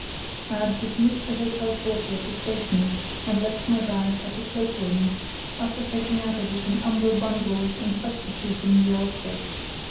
I had dismissed the hotel porter at the station, and left my bag at the cloak room, after taking out of it an umber bundle and substituting the ulster.